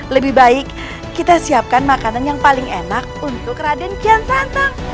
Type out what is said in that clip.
lebih baik kita siapkan makanan yang paling enak untuk raden kian santang